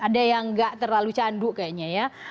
ada yang nggak terlalu candu kayaknya ya